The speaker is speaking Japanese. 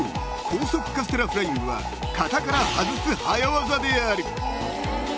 高速カステラフライングは型から外す早技である］